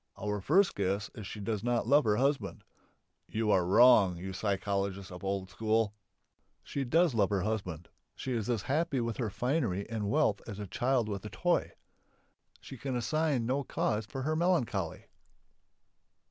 Our first guess is she does not love her husband. You are wrong, you psychologists of the old school! She does love her husband, she is as happy with her finery and wealth as a child with a toy; she can assign no cause for her melancholy.